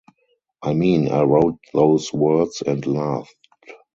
I mean, I wrote those words and laughed.